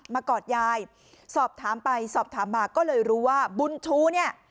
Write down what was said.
กอดยายสอบถามไปสอบถามมาก็เลยรู้ว่าบุญชูเนี่ย